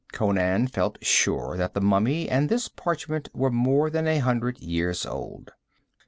Conan felt sure that the mummy and this parchment were more than a hundred years old.